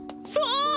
そう！